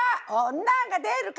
女が出るか？」